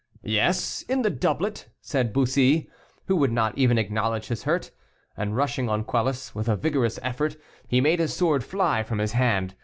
"Yes, in the doublet," said Bussy, who would not even acknowledge his hurt. And rushing on Quelus, with a vigorous effort, he made his sword fly from his hand.